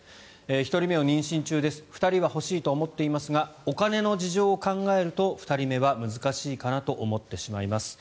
２人目を欲しいと思っていますがお金の事情を考えると２人目は難しいかなと思ってしまいます。